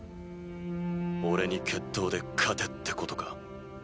俺に決闘で勝てってことか？